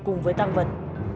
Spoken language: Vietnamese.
cùng với tăng vật